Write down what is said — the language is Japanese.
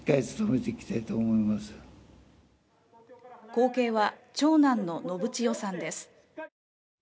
後継は長男の信千世さんです。